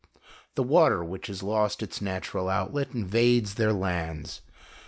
The water which has lost its natural outlet, invades their lands.